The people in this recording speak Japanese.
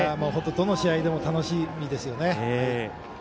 どの試合も楽しみですよね。